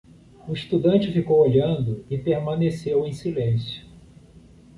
O estudante ficou olhando e permaneceu em silêncio.